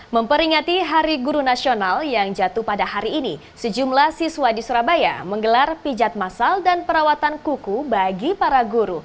memperingati hari guru nasional yang jatuh pada hari ini sejumlah siswa di surabaya menggelar pijat masal dan perawatan kuku bagi para guru